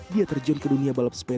dia terjun ke dunia balap sepeda